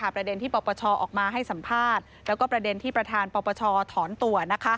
ประเด็นที่ปปชออกมาให้สัมภาษณ์แล้วก็ประเด็นที่ประธานปปชถอนตัว